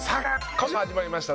今週も始まりました